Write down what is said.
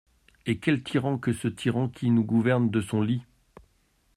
Et quel tyran que ce tyran qui nous gouverne de son lit !